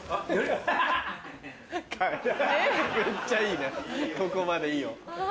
めっちゃいいなここまでいいよ。